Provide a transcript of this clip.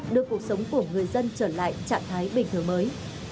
đưa cuộc sống của người dân trở lại trạng thái bình thường mới